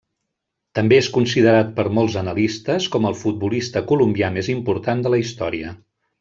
També és considerat per molts analistes com el futbolista colombià més important de la història.